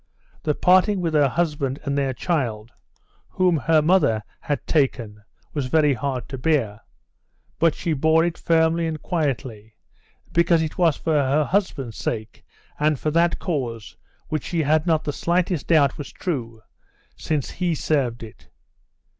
The parting with her husband and their child, whom her mother had taken, was very hard to bear; but she bore it firmly and quietly, since it was for her husband's sake and for that cause which she had not the slightest doubt was true, since he served it.